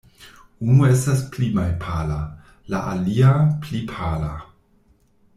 Unu estas pli malpala; la alia, pli pala.